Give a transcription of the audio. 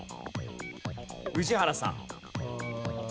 宇治原さん。